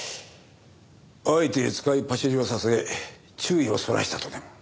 あえて使いっ走りをさせ注意をそらしたとでも？